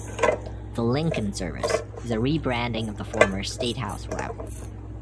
The "Lincoln Service" is a re-branding of the former "State House" route.